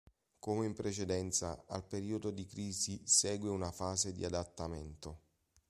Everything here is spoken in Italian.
Come in precedenza, al periodo di crisi segue una fase di adattamento.